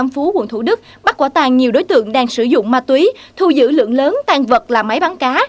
công an phường tam phú quận thủ đức bắt quả tàn nhiều đối tượng đang sử dụng ma túy thu giữ lượng lớn tàn vật là máy bán cá